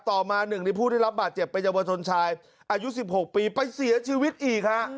ต่อมาหนึ่งในผู้ได้รับบาดเจ็บเป็นเยาวชนชายอายุ๑๖ปีไปเสียชีวิตอีกฮะ